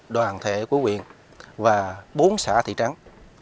đoàn thể của huyện và bốn xã thị trắng